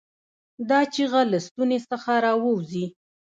دا چیغه له ستونې څخه راووځي.